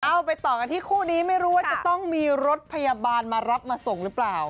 เอาไปต่อกันที่คู่นี้ไม่รู้ว่าจะต้องมีรถพยาบาลมารับมาส่งหรือเปล่า